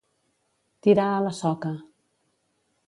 Tirar a la soca.